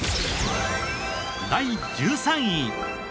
第１３位。